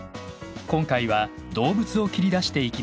今回は動物を切り出していきます。